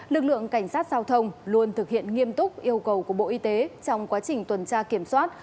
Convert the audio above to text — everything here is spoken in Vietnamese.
lực lượng cảnh sát giao thông luôn thực hiện nghiêm túc yêu cầu của bộ y tế trong quá trình tuần tra kiểm soát